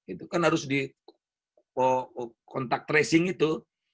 itu kan harus di kontak tracing itu